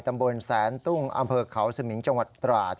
ตำบลแสนตุ้งอำเภอเขาสมิงจังหวัดตราด